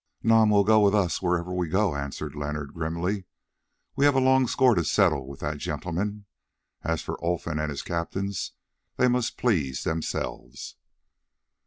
"Nam will go with us wherever we go," answered Leonard grimly; "we have a long score to settle with that gentleman. As for Olfan and his captains, they must please themselves."